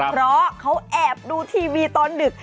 เพราะเขาแอบดูทีวีตอนดึก